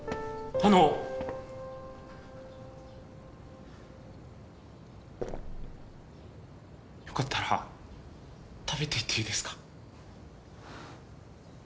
ゴクッよかったら食べていっていいですか？